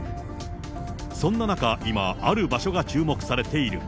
そんな中、今、ある場所が注目されている。